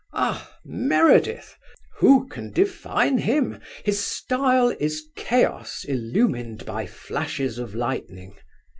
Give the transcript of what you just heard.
Ah! Meredith! Who can define him? His style is chaos illumined by flashes of lightning.